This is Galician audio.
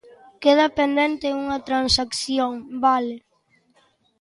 Queda pendente unha transacción, vale.